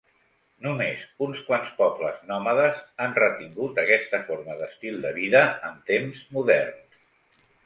Només uns quants pobles nòmades han retingut aquesta forma d'estil de vida en temps moderns.